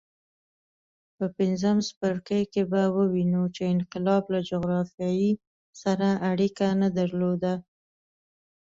په پنځم څپرکي کې به ووینو چې انقلاب له جغرافیې سره اړیکه نه درلوده.